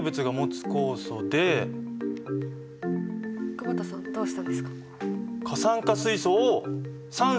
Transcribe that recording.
久保田さんどうしたんですか？